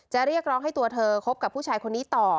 เรียกร้องให้ตัวเธอคบกับผู้ชายคนนี้ต่อ